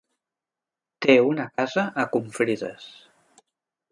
Té una casa a Confrides.